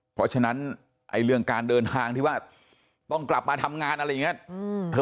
เพราะฉะนั้นเรื่องการเดินทางที่ว่าต้องกลับมาทำงานอะไรอย่างนี้